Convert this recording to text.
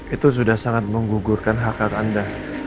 itu sudah sangat menggugurkan hak hak anda